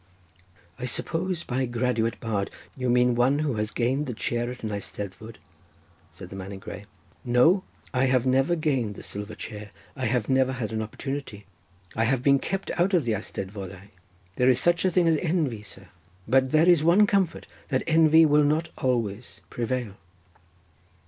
'" "I suppose by graduate bard you mean one who has gained the chair at an eisteddfod?" said the man in grey. "No, I have never gained the silver chair—I have never had an opportunity. I have been kept out of the eisteddfodau. There is such a thing as envy, sir—but there is one comfort, that envy will not always prevail."